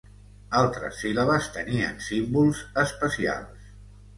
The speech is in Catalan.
Altres síl·labes tenien símbols especials.